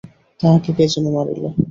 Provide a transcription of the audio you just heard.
তাহাকে কে যেন মারিল।